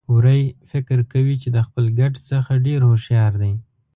وری فکر کوي چې د خپل ګډ څخه ډېر هوښيار دی.